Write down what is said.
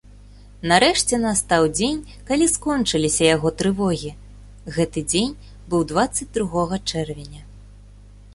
Нарэшце настаў дзень, калі скончыліся яго трывогі, гэты дзень быў дваццаць другога чэрвеня.